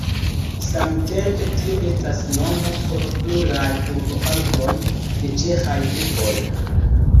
Samtempe tio estas nomo por pluraj urbopartoj de ĉeĥaj urboj.